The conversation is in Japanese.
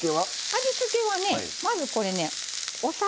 味付けはねまずこれねお酒。